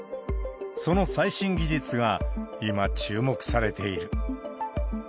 その最新技術が今、注目されている。